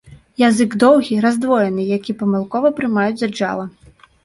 Язык доўгі, раздвоены, які памылкова прымаюць за джала.